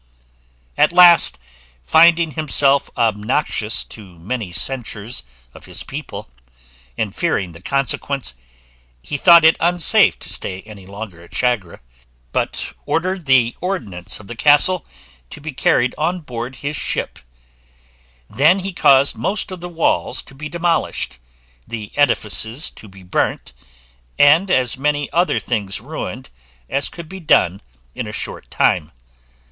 At last, finding himself obnoxious to many censures of his people, and fearing the consequence, he thought it unsafe to stay any longer at Chagre, but ordered the ordnance of the castle to be carried on board his ship; then he caused most of the walls to be demolished, the edifices to be burnt, and as many other things ruined as could be done in a short time.